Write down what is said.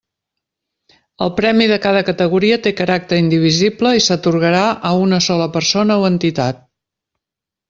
El premi de cada categoria té caràcter indivisible i s'atorgarà a una sola persona o entitat.